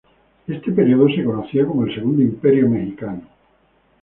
Este período se conocía como el Segundo Imperio Mexicano.